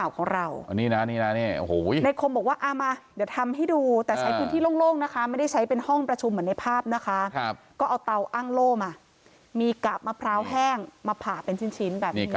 ก็เอาเตาอ้างโล่มามีกาบมะพร้าวแห้งมาผ่าเป็นชิ้นแบบนี้